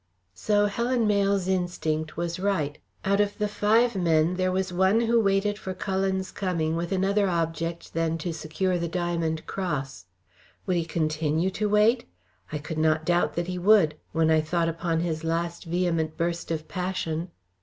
So Helen Mayle's instinct was right. Out of the five men there was one who waited for Cullen's coming with another object than to secure the diamond cross. Would he continue to wait? I could not doubt that he would, when I thought upon his last vehement burst of passion.